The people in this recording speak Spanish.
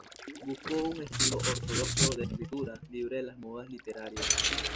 Buscó un estilo ortodoxo de escritura, libre de las modas literarias.